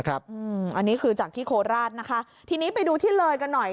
อันนี้คือจากที่โคราชนะคะทีนี้ไปดูที่เลยกันหน่อย